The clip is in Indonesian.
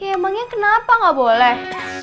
emangnya kenapa nggak boleh